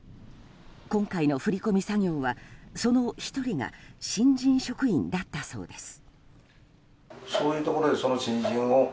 今回の振り込み作業はその１人が新人職員だったそうです。